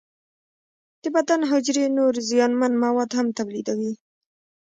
د بدن حجرې نور زیانمن مواد هم تولیدوي.